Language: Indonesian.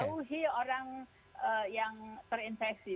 jauhi orang yang terinfeksi